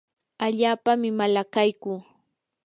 allaapami malaqaykuu.